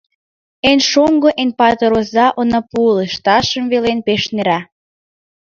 Эн шоҥго, эн патыр оза — онапу, Лышташым велен, пеш нера.